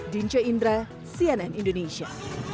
dince indra cnn indonesia